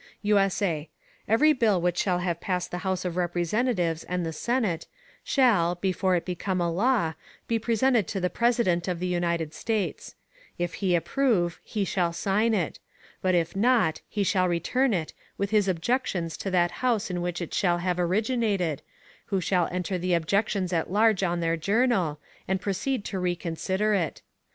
[USA] Every Bill which shall have passed the House of Representatives and the Senate, shall, before it become a Law, be presented to the President of the United States; If he approve he shall sign it, but if not he shall return it, with his Objections to that House in which it shall have originated, who shall enter the Objections at large on their Journal, and proceed to reconsider it.